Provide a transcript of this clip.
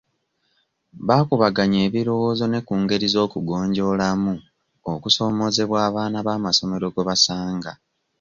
Baakubaganya ebirowoozo ne ku ngeri z'okugonjoolamu okusoomoozebwa abaana b'amasomero kwe basanga.